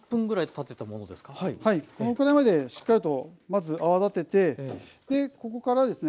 このくらいまでしっかりとまず泡立ててここからですね